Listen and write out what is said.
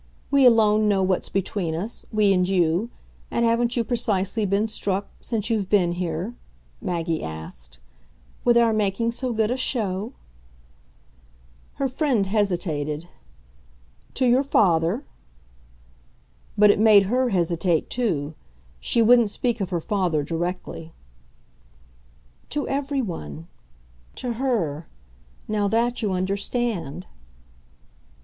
We alone know what's between us we and you; and haven't you precisely been struck, since you've been here," Maggie asked, "with our making so good a show?" Her friend hesitated. "To your father?" But it made her hesitate too; she wouldn't speak of her father directly. "To everyone. To her now that you understand."